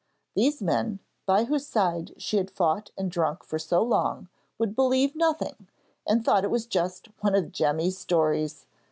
These men, by whose side she had fought and drunk for so long, would believe nothing, and thought it was just 'one of Jemmy's stories.'